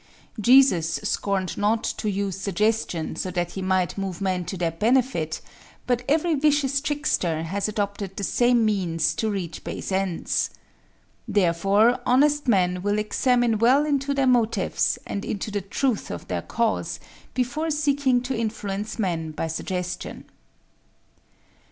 Jesus scorned not to use suggestion so that he might move men to their benefit, but every vicious trickster has adopted the same means to reach base ends. Therefore honest men will examine well into their motives and into the truth of their cause, before seeking to influence men by suggestion.